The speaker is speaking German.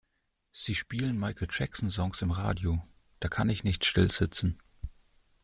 Sie spielen Michael Jackson Songs im Radio, da kann ich nicht stillsitzen.